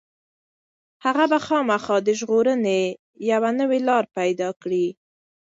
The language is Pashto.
هغه به خامخا د ژغورنې یوه نوې لاره پيدا کړي.